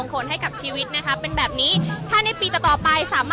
อาจจะออกมาใช้สิทธิ์กันแล้วก็จะอยู่ยาวถึงในข้ามคืนนี้เลยนะคะ